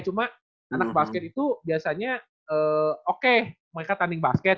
cuma anak basket itu biasanya oke mereka tanding basket